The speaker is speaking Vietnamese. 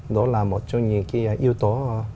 đó là một trong những yếu tố